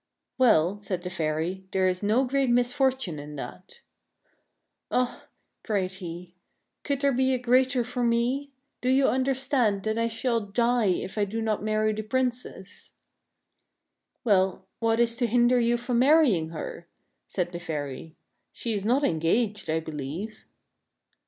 "Well," said the fairy, "there is no great misfortune in that." "Ah! " cried he: "could there be a greater for me? Do you understand that I shall die if I do not marry the Princess ?" "Well, what is to hinder you from marrying her?" said the fairy. " She is not engaged, I believe."